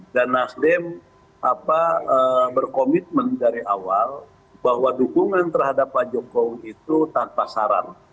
dan nasdem berkomitmen dari awal bahwa dukungan terhadap pak jokowi itu tanpa saran